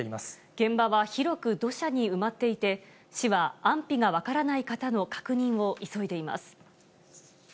現場は広く土砂に埋まっていて、市は安否が分からない方の確認を急いでいます。